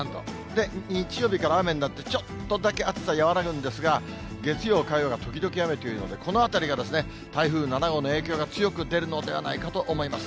で、日曜日から雨になって、ちょっとだけ暑さ和らぐんですが、月曜、火曜が時々雨というので、このあたりが台風７号の影響が強く出るのではないかと思います。